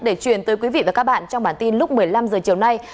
để truyền tới quý vị và các bạn trong bản tin lúc một mươi năm h chiều nay